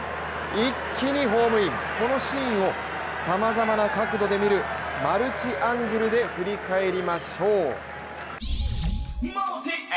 一気にホームイン、このシーンをさまざまな角度で見るマルチアングルで振り返りましょう。